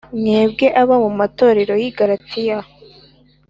Mwebwe abo mu matorero y’ i Galatiya